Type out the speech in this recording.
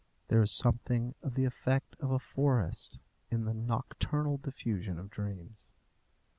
There is something of the effect of a forest in the nocturnal diffusion of dreams.